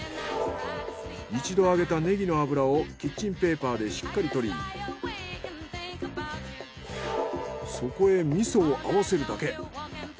一度揚げたネギの油をキッチンペーパーでしっかり取りそこへ味噌を合わせるだけ。